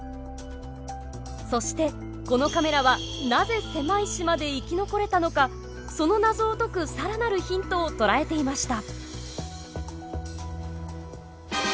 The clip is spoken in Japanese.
そしてこのカメラはなぜ狭い島で生き残れたのかその謎を解くさらなるヒントを捉えていました。